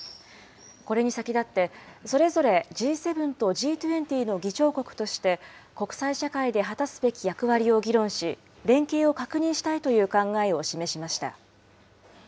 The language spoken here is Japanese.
これに先立って、それぞれＧ７とＧ２０の議長国として、国際社会で果たすべき役割を議論し、連携を確認したいという考えを示しました。